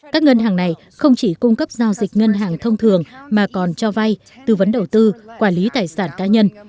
các ngân hàng này không chỉ cung cấp giao dịch ngân hàng thông thường mà còn cho vay tư vấn đầu tư quản lý tài sản cá nhân